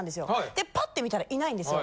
でパッて見たらいないんですよ。